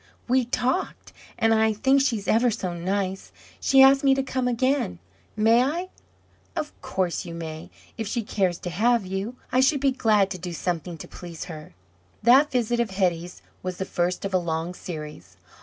"We talked; and I think she's ever so nice. She asked me to come again; may I?" "Of course you may, if she cares to have you. I should be glad to do something to please her." That visit of Hetty's was the first of a long series.